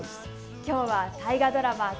きょうは大河ドラマ